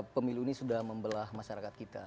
pemilu ini sudah membelah masyarakat kita